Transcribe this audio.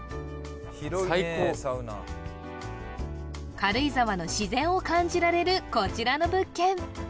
広いねサウナ・最高軽井沢の自然を感じられるこちらの物件